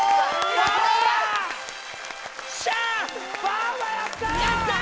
やったー！